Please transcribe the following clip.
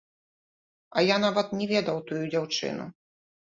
А я нават не ведаў тую дзяўчыну.